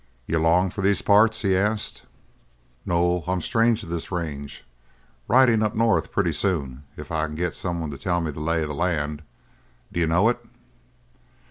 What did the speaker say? "You long for these parts?" he asked. "No, I'm strange to this range. Riding up north pretty soon, if I can get someone to tell me the lay of the land. D'you know it?"